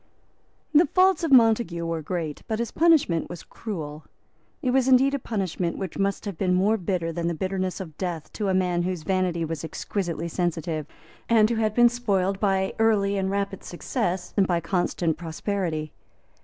The faults of Montague were great; but his punishment was cruel. It was indeed a punishment which must have been more bitter than the bitterness of death to a man whose vanity was exquisitely sensitive, and who had been spoiled by early and rapid success and by constant prosperity.